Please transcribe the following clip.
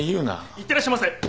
いってらっしゃいませ。